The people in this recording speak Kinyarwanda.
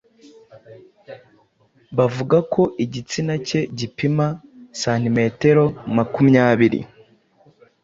bavuga ko igitsina cye gipima santimetero makumyabiri